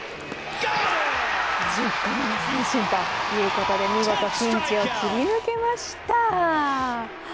１０個目の三振で見事ピンチを切り抜けました。